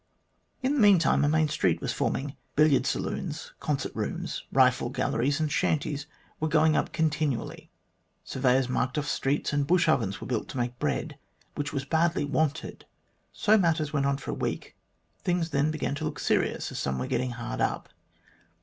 " In the meantime, a main street was forming. Billiard saloons, concert rooms, rifle galleries, and shanties were going up con tinually. Surveyors marked off streets, and bush ovens were built to make bread, which was badly wanted. So matters went on for a week. Things then began to look serious, as some were getting hard up.